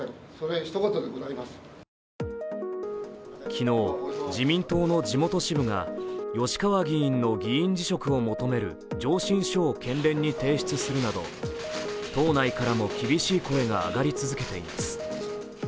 昨日、自民党の地元支部が吉川議員の議員辞職を求める上申書を県連に提出するなど、党内からも厳しい声が上がり続けています。